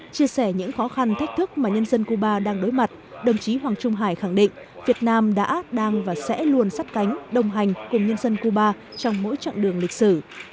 chia sẻ những khó khăn thách thức mà nhân dân cuba đang đối mặt đồng chí hoàng trung hải khẳng định việt nam đã đang và sẽ luôn sắt cánh đồng hành cùng nhân dân cuba trong mỗi chặng đường lịch sử